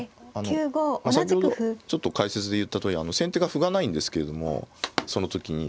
先ほどちょっと解説で言ったとおり先手が歩がないんですけれどもその時に。